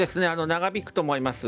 長引くと思います。